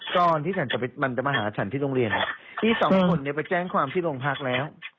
ตอนที่ฉันมันจะมาหาฉันที่โรงเรียนพี่สองคนเนี่ยไปแจ้งความที่โรงพักแล้ว